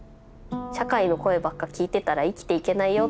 「社会の声ばっか聞いてたら生きていけないよ」